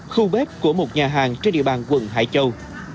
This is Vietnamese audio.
khu bếp của một nhà hàng trên địa bàn quận hải châu